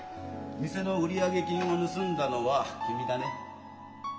店の売上金を盗んだのは君だね？